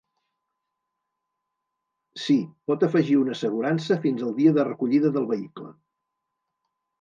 Si, pot afegir una assegurança fins el dia de recollida del vehicle.